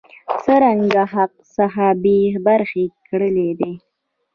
څرګند حق څخه بې برخي کړی دی.